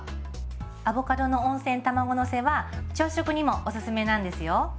アボカドの温泉卵のせは朝食にもおすすめなんですよ。